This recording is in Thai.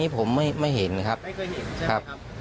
ประตู๓ครับ